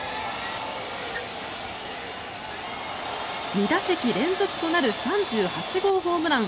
２打席連続となる３８号ホームラン。